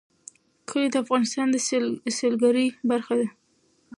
کلي د افغانستان د سیلګرۍ برخه ده.